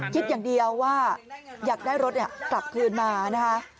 คิดอย่างเดียวว่าอยากได้รถกลับคืนมานะคะ